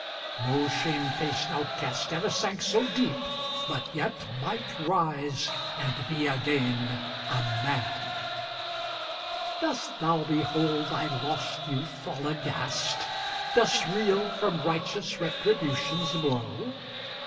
No shame faced outcast ever sank so deep, But yet might rise and be again a man ! Dost thou behold thy lost youth all aghast? Dost reel from righteous Retribution's blow?